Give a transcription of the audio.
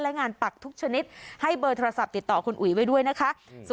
และงานปักทุกชนิดให้เบอร์โทรศัพท์ติดต่อคุณอุ๋ยไว้ด้วยนะคะ